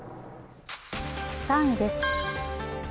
３位です。